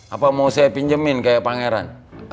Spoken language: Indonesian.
apa mau saya pinjemin kayak pangeran